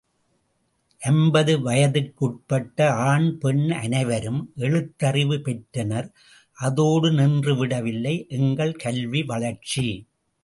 ஐம்பது வயதிற்குட்பட்ட ஆண் பெண் அனைவரும் எழுத்தறிவு பெற்றனர் அதோடு நின்று விடவில்லை, எங்கள் கல்வி வளர்ச்சி.